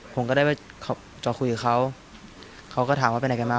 ผมก็ได้ไปจอดคุยกับเขาเขาก็ถามว่าไปไหนกันมา